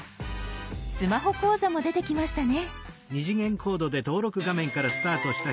スマホ講座も出てきましたね。